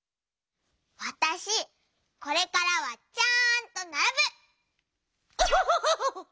わたしこれからはちゃんとならぶ！オホホホホホ！